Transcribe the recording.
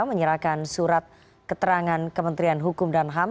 menyerahkan surat keterangan kementerian hukum dan ham